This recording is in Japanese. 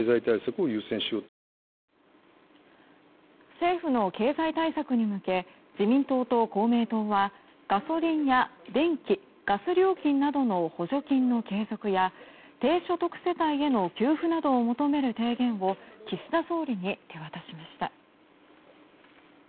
政府の経済対策に向け自民党と公明党はガソリンや電気・ガス料金などの補助金の継続や低所得世帯への給付などを求める提言を岸田総理に手渡しました。